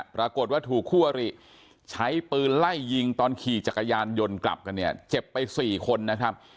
ปรากฏว่าถูกคู่อริใช้ปืนไล่ยิงตอนขี่จักรยานยนต์กลับกันเนี่ยเจ็บไป๔คนนะครับ